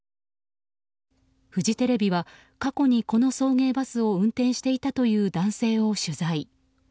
フジテレビは過去にこの送迎バスを運転していたという男性を取材。